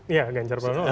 iya ganjar pak bram